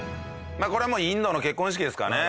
これはもうインドの結婚式ですかね